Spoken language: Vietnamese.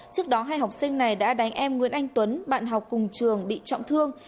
trước đó hai học sinh này đã đánh em nguyễn anh tuấn bạn học cùng trường bị trọng thương